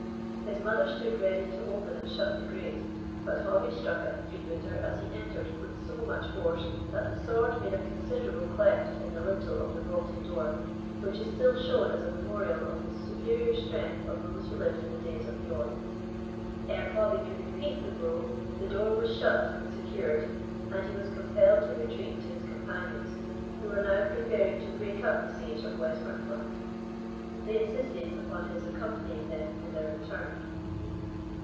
His mother stood ready to open and shut the grate; but Hobbie struck at the freebooter as he entered with so much force, that the sword made a considerable cleft in the lintel of the vaulted door, which is still shown as a memorial of the superior strength of those who lived in the days of yore. Ere Hobbie could repeat the blow, the door was shut and secured, and he was compelled to retreat to his companions, who were now preparing to break up the siege of Westburnflat. They insisted upon his accompanying them in their return.